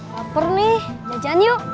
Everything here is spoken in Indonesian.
laper nih jajan yuk